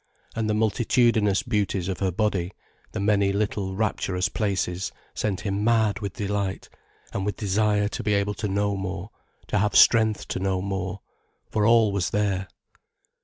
And the multitudinous beauties of her body, the many little rapturous places, sent him mad with delight, and with desire to be able to know more, to have strength to know more. For all was there.